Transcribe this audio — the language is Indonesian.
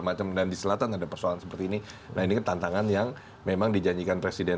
macam dan di selatan ada persoalan seperti ini nah ini kan tantangan yang memang dijanjikan presiden